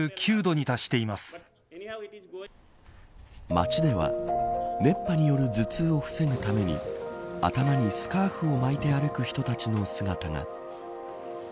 街では、熱波による頭痛を防ぐために頭にスカーフを巻いて歩く人たちの姿が。